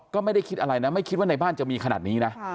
ก็ไม่ได้คิดอะไรนะไม่คิดว่าในบ้านจะมีขนาดนี้นะ